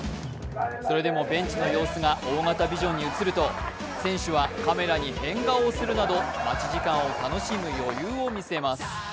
それでもベンチの様子が大型ビジョンに映ると選手はカメラに変顔をするなど待ち時間を楽しむ余裕を見せます。